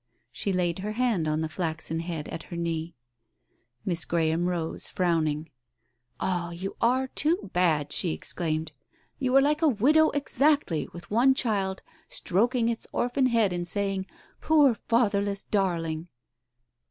She laid her hand on the flaxen head at her knee. Miss Graham rose, frowning. "Ah, you are too bad!" she exclaimed. "You are like a widow exactly, with one child, stroking its orphan head and saying, ' Poor fatherless darling.'